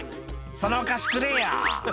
そのお菓子くれよ」